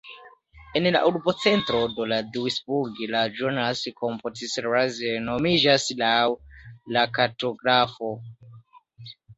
En la urbocentro de Duisburg la "Johannes-Corputius-Platz" nomiĝas laŭ la kartografo.